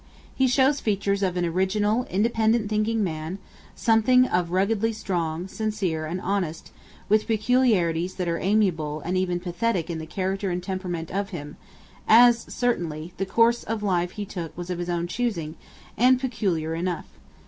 He shows features of an original, independent thinking man; something of ruggedly strong, sincere, and honest, with peculiarities that are amiable and even pathetic in the character and temperament of him; as certainly, the course of life he took was of his own choosing, and peculiar enough.